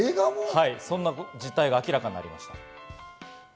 そんな実態が明らかになりました。